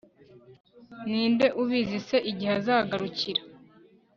ninde ubizi se igihe azagarukira